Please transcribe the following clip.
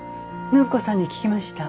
暢子さんに聞きました。